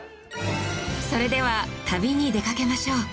それでは旅に出かけましょう。